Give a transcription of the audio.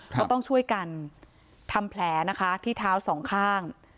ก็ต้องช่วยกันทำแผลนะคะที่เท้าสองข้าง